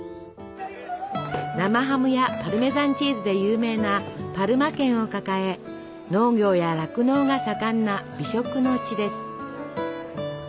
生ハムやパルメザンチーズで有名なパルマ県を抱え農業や酪農が盛んな美食の地です。